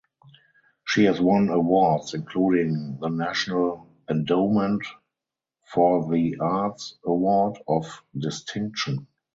She has won awards including the National Endowment for the Arts Award of Distinction.